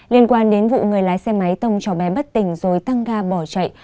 liên quan đến vụ người lái xe máy tông trò bé bất tình rồi tăng ga bỏ chạy